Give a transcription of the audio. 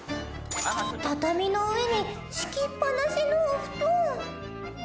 畳の上に敷きっぱなしのお布団。